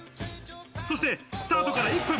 そしてスタートから１分。